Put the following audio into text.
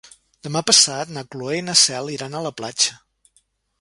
Demà passat na Cloè i na Cel iran a la platja.